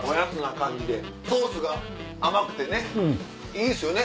ソースが甘くてねいいっすよね。